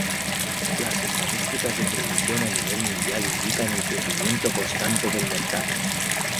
Las estadísticas de producción a nivel mundial indican el crecimiento constante del mercado.